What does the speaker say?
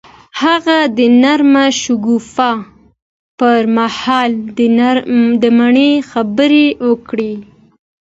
هغه د نرم شګوفه پر مهال د مینې خبرې وکړې.